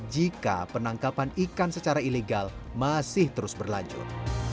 jika penangkapan ikan secara ilegal masih terus berlanjut